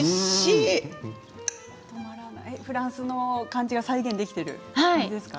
フランスの感じが再現できている感じですか？